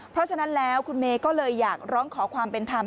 เพราะฉะนั้นแล้วคุณเมย์ก็เลยอยากร้องขอความเป็นธรรม